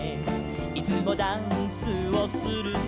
「いつもダンスをするのは」